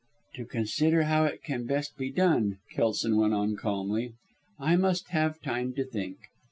" to consider how it can best be done," Kelson went on calmly. "I must have time to think."